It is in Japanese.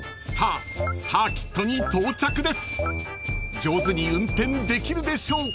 ［上手に運転できるでしょうか？］